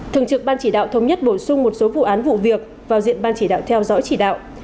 thường trực ban chỉ đạo thống nhất bổ sung một số vụ án vụ việc vào diện ban chỉ đạo theo dõi chỉ đạo